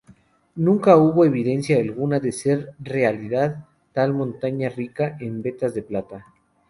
Nunca hubo evidencia alguna de ser realidad tal montaña rica en vetas de plata.